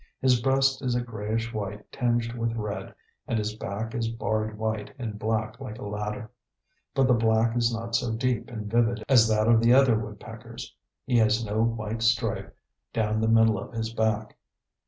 His breast is a grayish white tinged with red, and his back is barred white and black like a ladder; but the black is not so deep and vivid as that of the other woodpeckers. He has no white stripe down the middle of his back.